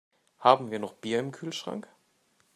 Haben wir noch Bier im Kühlschrank?